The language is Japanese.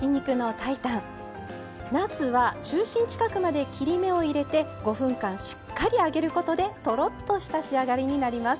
なすは中心近くまで切り目を入れて５分間しっかり揚げることでとろっとした仕上がりになります。